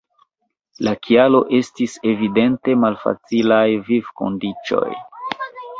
La kialo estis evidente malfacilaj vivkondiĉoj.